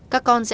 các con sẽ